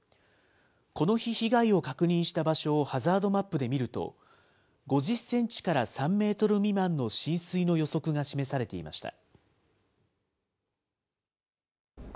この日、被害を確認した場所をハザードマップで見ると、５０センチから３メートル未満の浸水の予測が示されていました。